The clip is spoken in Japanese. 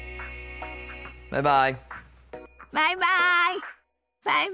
バイバイ。